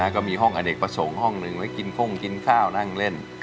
ก็มีห้องอเนกประสงค์ห้องหนึ่งไว้กินโค้งกินข้าวนั่งเล่น